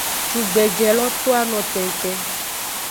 Cugbeje lo to ano tenten.